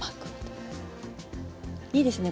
いいですね